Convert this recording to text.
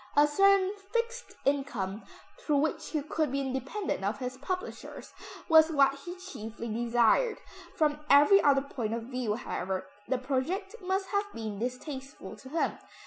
A certain fixed income, through which he could be independent of his publishers, was what he chiefly desired. From every other point of view, however, the project must have been distasteful to him.